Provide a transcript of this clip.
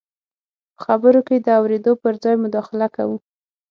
په خبرو کې د اورېدو پر ځای مداخله کوو.